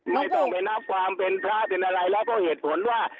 ไม่ต้องไปนับความเป็นพระเป็นอะไรแล้วก็เหตุผลว่า